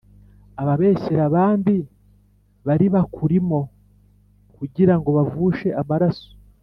Ababeshyera abandi bari bakurimo kugira ngo bavushe amaraso,